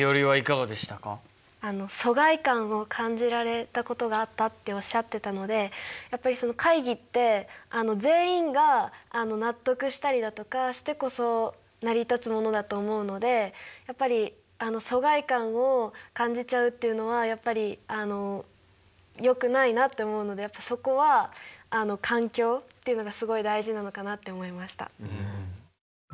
疎外感を感じられたことがあったっておっしゃってたのでやっぱりその会議って全員が納得したりだとかしてこそ成り立つものだと思うのでやっぱり疎外感を感じちゃうっていうのはやっぱりよくないなって思うのでそこは環境っていうのがすごい大事なのかなって思いました。